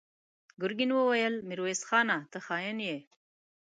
ګرګين وويل: ميرويس خانه! ته خاين يې!